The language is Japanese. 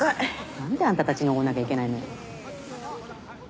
何であんたたちにおごんなきゃいけないのよ。